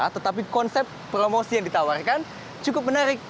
tetapi konsep promosi yang ditawarkan cukup menarik